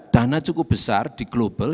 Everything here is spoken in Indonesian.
dana cukup besar di global